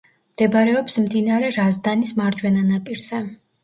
მდებარეობს მდინარე რაზდანის მარჯვენა ნაპირზე.